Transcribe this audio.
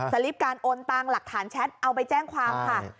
ลิปการโอนตังค์หลักฐานแชทเอาไปแจ้งความค่ะ